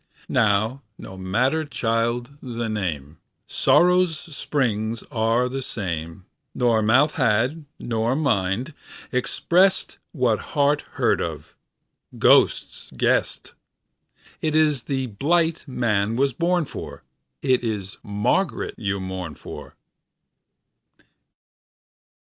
Now no matter, child, the name:Sórrow's spríngs áre the same. Nor mouth had, no nor mind, expressedWhat heart heard of, ghost guessed:It ís the blight man was born for, It is Margaret you mourn for.